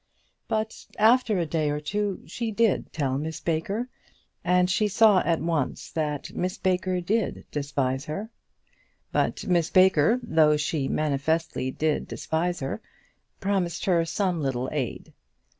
But after a day or two she did tell Miss Baker, and she saw at once that Miss Baker did despise her. But Miss Baker, though she manifestly did despise her, promised her some little aid.